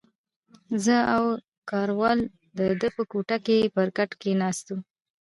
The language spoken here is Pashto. زه او کراول د ده په کوټه کې پر کټ کښېناستو.